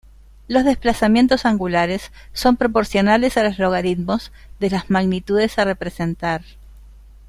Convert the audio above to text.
Los desplazamientos angulares son proporcionales a los logaritmos de las magnitudes a representar.